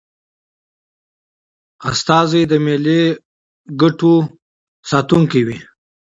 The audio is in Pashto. ډيپلومات د ملي ګټو ساتونکی وي.